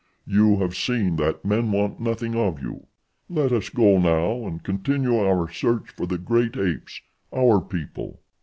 You have seen that men want nothing of you. Let us go now and continue our search for the great apes—our people."